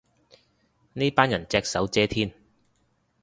呢班人隻手遮天